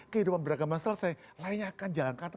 kehidupan beragama selesai lainnya akan jalan kata